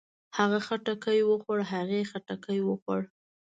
هغۀ خټکی وخوړ. هغې خټکی وخوړ.